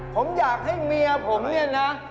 ผมอยากให้เมียผมเนี่ยนะ